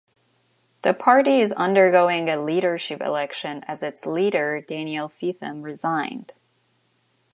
The party is undergoing a leadership election as its leader, Daniel Feetham resigned.